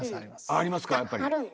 ありますかやっぱり。